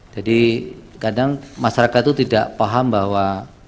jadi kadang masyarakat itu tidak paham bahwa